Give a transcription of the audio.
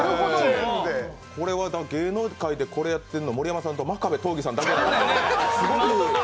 これは芸能界でこれやってるの盛山さんと真壁刀義さんだけですね。